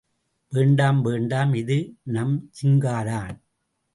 வேண்டாம் வேண்டாம் இது நம் ஜின்காதான்.